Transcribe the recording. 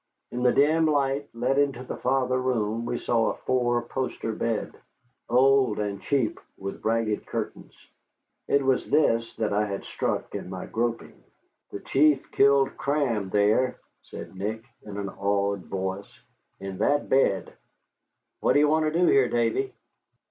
In the dim light let into the farther room we saw a four poster bed, old and cheap, with ragged curtains. It was this that I had struck in my groping. "The chief killed Cram there," said Nick, in an awed voice, "in that bed. What do you want to do here, Davy?"